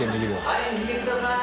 はい見てください。